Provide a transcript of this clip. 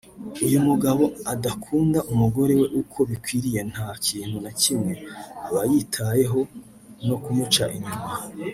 Iyo umugabo adakunda umugore we uko bikwiye nta kintu na kimwe abayitayeho no kumuca inyuma